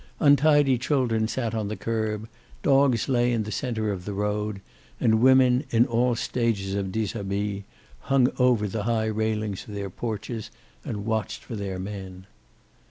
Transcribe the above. Untidy children sat on the curb, dogs lay in the center of the road, and women in all stages of dishabille hung over the high railings of their porches and watched for their men.